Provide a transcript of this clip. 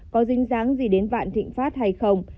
có dính dáng gì đến vạn thịnh pháp hay không